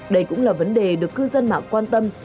đây cũng là vấn đề được cư dân mạng quan tâm